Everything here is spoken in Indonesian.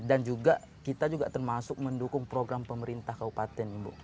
dan juga kita juga termasuk mendukung program pemerintah kabupaten ibu